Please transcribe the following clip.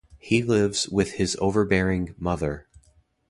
He lives with his overbearing mother.